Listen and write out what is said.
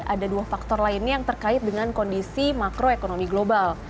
ada dua faktor lainnya yang terkait dengan kondisi makroekonomi global